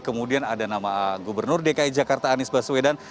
kemudian ada nama gubernur dki jakarta anies baswedan